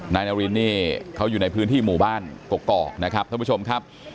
นายนารินนี่เขาอยู่ในพื้นที่หมู่บ้านกกอกนะครับท่านผู้ชมครับ